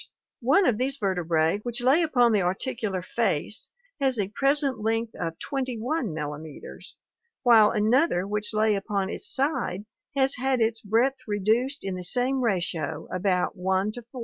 one of these vertebrae which lay upon the articular face has a present length of 21 mm., while another which lay upon its side has had its breadth reduced in the same ratio, about 1 : 4.